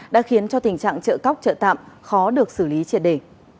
đã khiến cho tình trạng trợ cóc chợ tạm khó được xử lý triệt đề